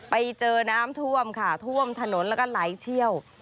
ไปเจอน้ำท่วมค่ะท่วมถนนแล้วก็ไหลเชี่ยว